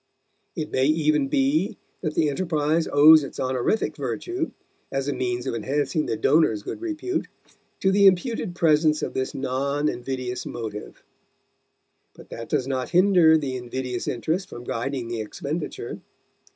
It may even be that the enterprise owes its honorific virtue, as a means of enhancing the donor's good repute, to the imputed presence of this non invidious motive; but that does not hinder the invidious interest from guiding the expenditure.